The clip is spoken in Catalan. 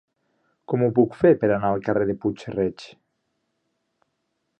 Com ho puc fer per anar al carrer de Puig-reig?